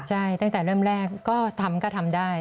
ใช่ตั้งแต่เริ่มแรกก็ทำก็ทำได้